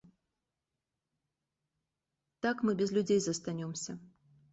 Так мы без людзей застанёмся.